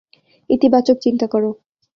ইতিবাচক চিন্তা করো!